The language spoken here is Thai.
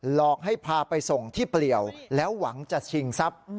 หลอกให้พาไปส่งที่เปลี่ยวแล้วหวังจะชิงทรัพย์